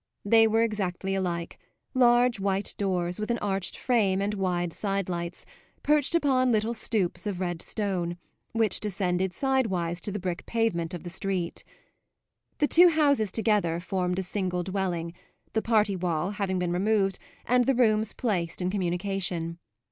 They were exactly alike large white doors, with an arched frame and wide side lights, perched upon little "stoops" of red stone, which descended sidewise to the brick pavement of the street. The two houses together formed a single dwelling, the party wall having been removed and the rooms placed in communication.